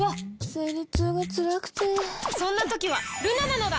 生理痛がつらくてそんな時はルナなのだ！